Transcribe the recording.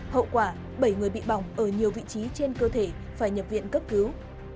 hậu quả bảy người bị bỏng ở nhiều vị trí trên cơ thể phải nhập viện cấp cứu